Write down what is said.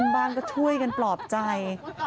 บ้านก็ช่วยกันปลอบใจ